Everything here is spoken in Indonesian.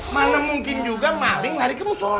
mana mungkin juga malik lari kemu soal